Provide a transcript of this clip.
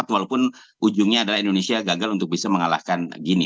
walaupun ujungnya adalah indonesia gagal untuk bisa mengalahkan gini